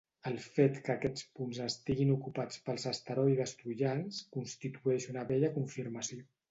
El fet que aquests punts estiguin ocupats pels asteroides troians constitueix una bella confirmació.